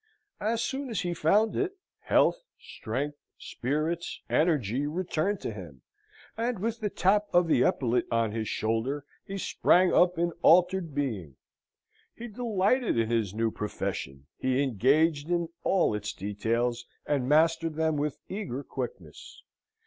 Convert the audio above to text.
As soon as he found it, health, strength, spirits, energy, returned to him, and with the tap of the epaulet on his shoulder he sprang up an altered being. He delighted in his new profession; he engaged in all its details, and mastered them with eager quickness.